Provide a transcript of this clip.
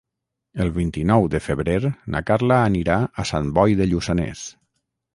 El vint-i-nou de febrer na Carla anirà a Sant Boi de Lluçanès.